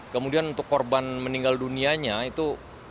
kemudian untuk korban meninggal dunianya itu